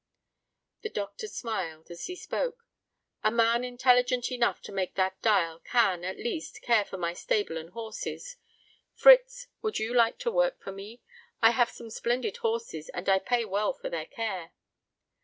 The Doctor smiled, as he spoke: "A man intelligent enough to make that dial can, at least, care for my stable and horses.... Fritz, would you like to work for me? I have some splendid horses and I pay well for their care."